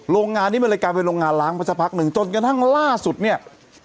โรงงานนี้มันเลยกลายเป็นโรงงานล้างไปสักพักหนึ่งจนกระทั่งล่าสุดเนี่ย